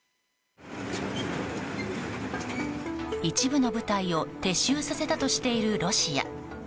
一部の部隊を撤収させたとしているロシア。